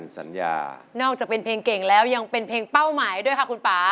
สม่องถิ่นเก่งแล้วยังเป็นเพลงเป้าหมายด้วยค่ะคุณป่า